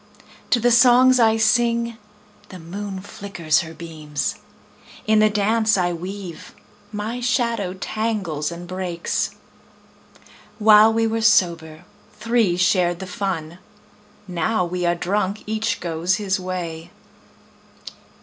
To the songs I sing the moon flickers her beams; In the dance I weave my shadow tangles and breaks. While we were sober, three shared the fun; Now we are drunk, each goes his way.